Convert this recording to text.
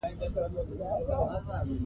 باران د افغانستان د طبیعي زیرمو برخه ده.